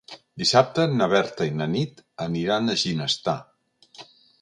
Dissabte na Berta i na Nit aniran a Ginestar.